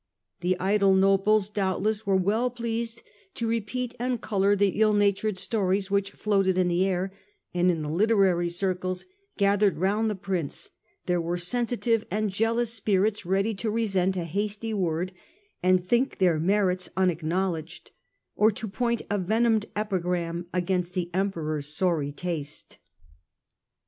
The idle nobles doubtless were well pleased to repeat and colour the ill natured stories which floated in the air, and in the literary circles gathered round the prince there were sensitive and jealous spirits ready to resent a hasty word and think their merits unacknow ledged, or to point a venomed epigram against the Emperor's sorry taste.